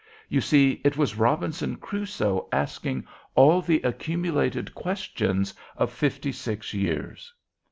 You see it was Robinson Crusoe asking all the accumulated questions of fifty six years!